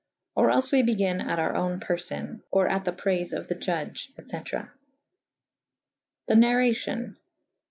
Or els we begyn at our owne p^rfon / or at the praife of the Juge. &c. The narracion.